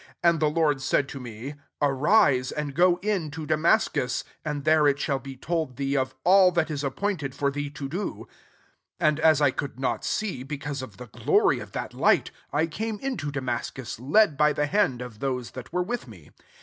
And the vLord said to me, 'Arise, and go in to Damascus ; and there it shall be told thee of all that is appointed for thee to do.' 11 And as 1 could not see, because of the glory of that light, I came into Damascus, led by the hand of those that were with me.